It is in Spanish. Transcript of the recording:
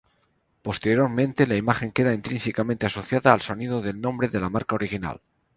Posteriormente, la imagen queda intrínsecamente asociada al sonido del nombre de la marca original.